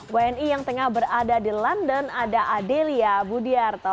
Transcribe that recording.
wni yang tengah berada di london ada adelia budiarto